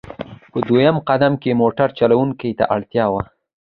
په دویم قدم کې موټر چلوونکو ته اړتیا وه.